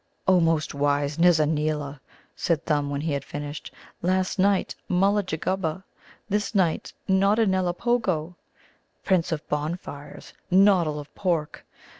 "O most wise Nizza neela!" said Thumb when he had finished. "Last night Mulla jugguba; this night Nodda nellipogo" (Prince of Bonfires, Noddle of Pork).